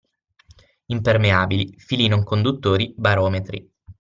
Impermeabili, fili non conduttori, barometri